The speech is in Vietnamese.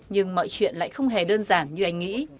nhưng mọi chuyện lại không hề đơn giản như anh nghĩ